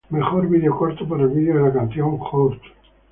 Mejor Video Corto por el video de la canción "Hurt".